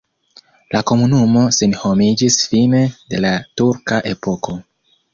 La komunumo senhomiĝis fine de la turka epoko.